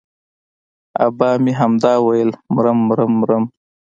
ابا يې همدا ويل مرم مرم مرم.